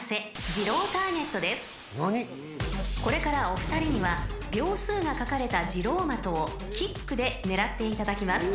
［これからお二人には秒数が書かれた二朗的をキックで狙っていただきます］